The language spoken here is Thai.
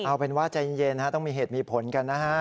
เอาเป็นว่าใจเย็นต้องมีเหตุมีผลกันนะฮะ